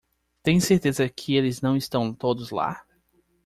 Tem certeza que eles não estão todos lá?